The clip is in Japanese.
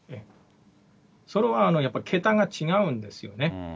それはやっぱり桁が違うんですよね。